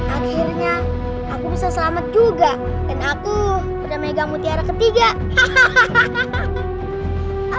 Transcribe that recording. akhirnya aku bisa selamat juga dan aku udah megang mutiara ketiga hahaha